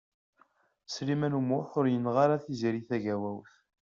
Sliman U Muḥ ur yenɣi ara Tiziri Tagawawt.